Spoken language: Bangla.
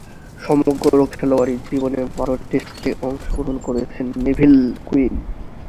সমগ্র খেলোয়াড়ী জীবনে বারো টেস্টে অংশগ্রহণ করেছেন নেভিল কুইন।